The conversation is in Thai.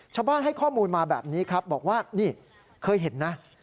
ชาวบ้านให้ข้อมูลมาแบบนี้ครับบอกว่านี่เคยเห็นนะ